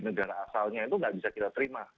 negara asalnya itu nggak bisa kita terima